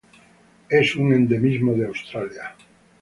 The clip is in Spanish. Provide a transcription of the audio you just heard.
Es un endemismo de Australia.